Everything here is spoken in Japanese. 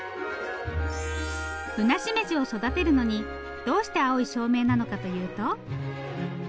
ぶなしめじを育てるのにどうして青い照明なのかというと。